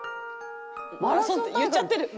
「“マラソン”って言っちゃってる」